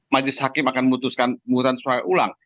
majelis hakim akan memutuskan pengurangan suara ulang